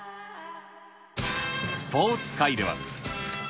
スポーツ界では。